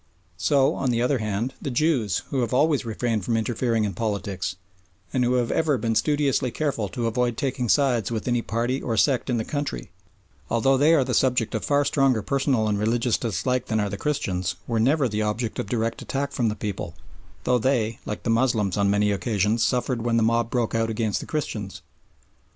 So, on the other hand, the Jews, who have always refrained from interfering in politics, and who have ever been studiously careful to avoid taking sides with any party or sect in the country, although they are the subject of far stronger personal and religious dislike than are the Christians, were never the object of direct attack from the people, though they, like the Moslems, on many occasions suffered when the mob broke out against the Christians.